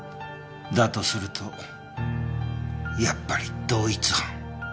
だとするとやっぱり同一犯。